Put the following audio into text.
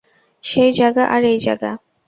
সেই জাগা আর এই জাগা।